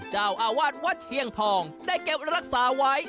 เจ้าอาวาสวัดเชียงทองได้เก็บรักษาไว้